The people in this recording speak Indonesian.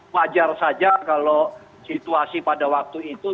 wajar saja kalau situasi pada waktu itu